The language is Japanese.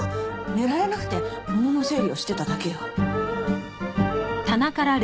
寝られなくて物の整理をしてただけよ。